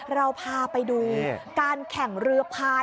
เราพาไปดูการแข่งเรือพาย